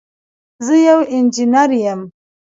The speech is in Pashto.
زه یو انجینر یم